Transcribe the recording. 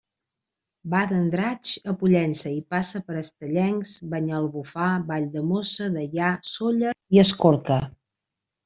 Va d'Andratx a Pollença i passa per Estellencs, Banyalbufar, Valldemossa, Deià, Sóller i Escorca.